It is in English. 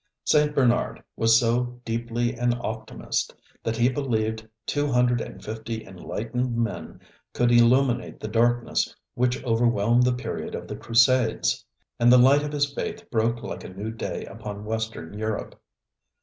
St. Bernard was so deeply an optimist that he believed two hundred and fifty enlightened men could illuminate the darkness which overwhelmed the period of the Crusades; and the light of his faith broke like a new day upon western Europe.